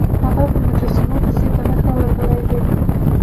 هغه په مجسمو پسې په نښه ورغلی دی.